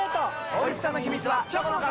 おいしさの秘密はチョコの壁！